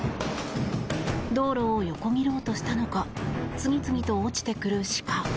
道路を横切ろうとしたのか次々と落ちてくる鹿。